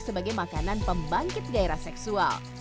sebagai makanan pembangkit gairah seksual